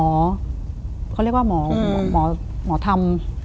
เขาเรียกว่าหมอธรรม